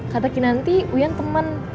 kata kinanti uian temen